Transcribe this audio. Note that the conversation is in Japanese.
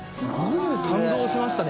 感動しましたね。